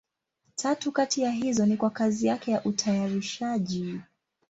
Tatu kati ya hizo ni kwa kazi yake ya utayarishaji.